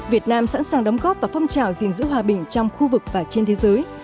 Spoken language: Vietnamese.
việt nam sẵn sàng đóng góp và phong trào gìn giữ hòa bình trong khu vực và trên thế giới